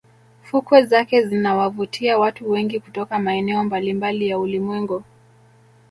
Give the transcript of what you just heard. Fukwe zake zinawavutia watu wengi kutoka maeneo mbalimbali ya ulimwengu